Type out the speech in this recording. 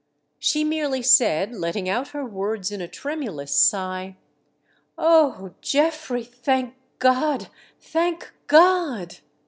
She merely said, letting out her words in a tremulous sigh :" O Geoffrey, thank God ! thank God